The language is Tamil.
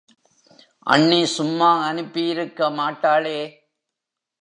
அண்ணி சும்மா அனுப்பி யிருக்க மாட்டாளே!